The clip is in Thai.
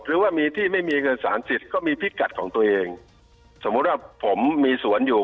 หรือว่ามีที่ไม่มีเงินสารสิทธิ์ก็มีพิกัดของตัวเองสมมุติว่าผมมีสวนอยู่